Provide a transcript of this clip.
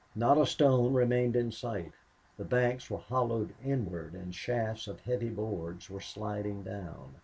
Not a stone remained in sight. The banks were hollowed inward and shafts of heavy boards were sliding down.